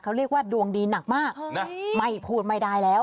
เขาเรียกว่าดวงดีหนักมากไม่พูดไม่ได้แล้ว